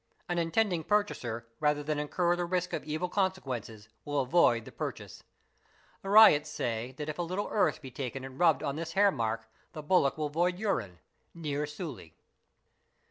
An intending purchaser rather than incur the risk of evil consequences will avoid the purchase. The ryots say that if a little earth be taken and rubbed on this hairmark the bullock will void urine, (ni sult).